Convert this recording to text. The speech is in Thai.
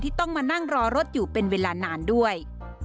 ต้องมานั่งรอรถอยู่เป็นเวลานานด้วย